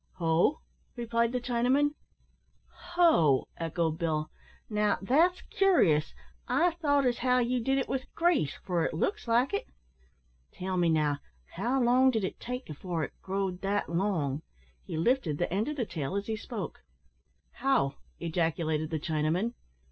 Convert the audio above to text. "Ho!" replied the Chinaman. "Ho!" echoed Bill; "now, that's curious. I thought as how you did it with grease, for it looks like it. Tell me now, how long did it take afore it growed that long?" He lifted the end of the tail as he spoke. "How!" ejaculated the Chinaman.